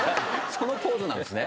そのポーズなんですね。